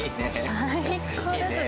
最高ですね。